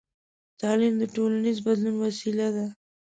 تعلیم د ټولنیز بدلون وسیله ده.